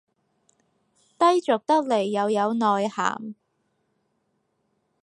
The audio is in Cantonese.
低俗得來又有內涵